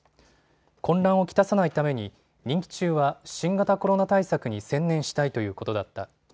混乱を来さないために任期中は新型コロナ対策に専念したいということだった。